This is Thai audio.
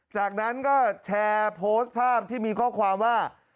จากนั้นก็แชร์โพสต์ภาพที่มีข้อความว่า